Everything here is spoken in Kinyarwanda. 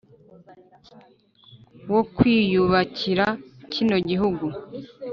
wo kwiyubakira kino gihugu